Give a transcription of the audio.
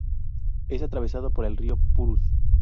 Es atravesado por el río Purús.